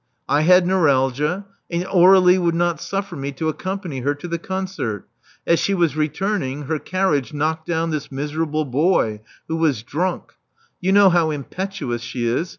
I had neuralgia; and Aur^lie would not suffer me to accompany her to the concert. As she was returning, her carriage knocked down this miserable boy, who was drunk. You know how impetuous she is.